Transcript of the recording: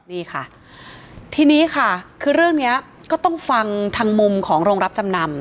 นี่ค่ะทีนี้ค่ะคือเรื่องเนี้ยก็ต้องฟังทางมุมของโรงรับจำนำ